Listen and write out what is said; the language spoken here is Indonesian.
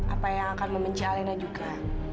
apa yang akan membenci elena juga